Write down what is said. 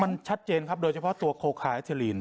มันชัดเจนครับโดยเฉพาะตัวโคคาแอคเทอลีน